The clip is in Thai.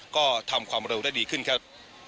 ก็ทำความเร็วได้ดีขึ้นครับ